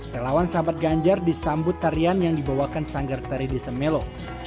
relawan sahabat ganjar disambut tarian yang dibawakan sanggar tari desa melo